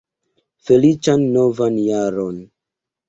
Feliĉan novan jaron!